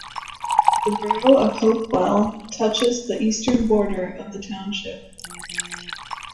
The borough of Hopewell touches the eastern border of the township.